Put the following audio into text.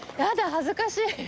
恥ずかしい